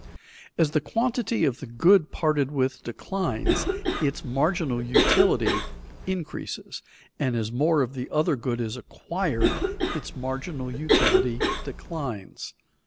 As the quantity of the good parted with declines, its marginal utility increases; and as more of the other good is acquired, its marginal utility declines.